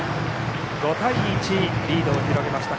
５対１、リードを広げました。